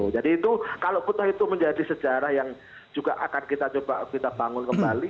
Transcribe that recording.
jadi itu kalau putus itu menjadi sejarah yang juga akan kita coba kita bangun kembali